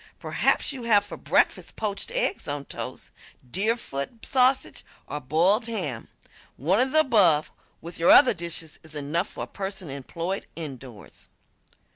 Perhaps you have for breakfast poached eggs on toast, Deerfoot sausage or boiled ham. One of the above, with your other dishes, is enough for a person employed indoors.